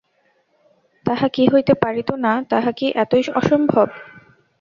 তাহা কি হইতে পারিত না, তাহা কি এতই অসম্ভব।